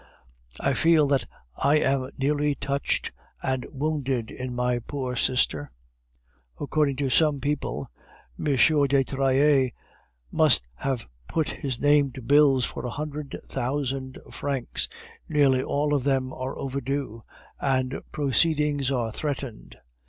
I feel that I am nearly touched and wounded in my poor sister. According to some people, M. de Trailles must have put his name to bills for a hundred thousand francs, nearly all of them are overdue, and proceedings are threatened.